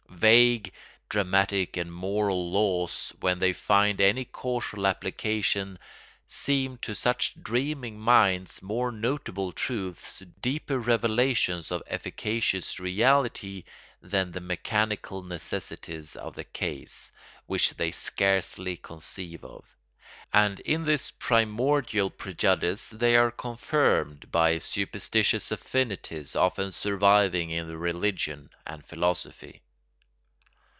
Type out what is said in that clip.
Vague dramatic and moral laws, when they find any casual application, seem to such dreaming minds more notable truths, deeper revelations of efficacious reality, than the mechanical necessities of the case, which they scarcely conceive of; and in this primordial prejudice they are confirmed by superstitious affinities often surviving in their religion and philosophy.